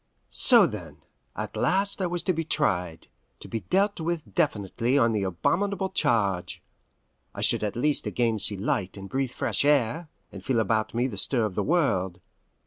So then, at last I was to be tried, to be dealt with definitely on the abominable charge. I should at least again see light and breathe fresh air, and feel about me the stir of the world.